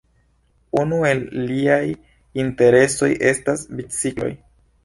Unu el liaj interesoj estas bicikloj.